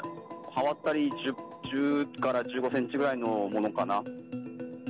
刃渡り１０から１５センチくらいのものかな。